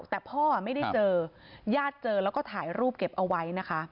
แต่พ่อไม่ได้เจอญาติเจอแล้วก็ถ่ายรูปเก็บเอาไว้นะคะ